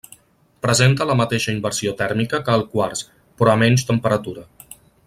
Presenta la mateixa inversió tèrmica que el quars, però a menys temperatura.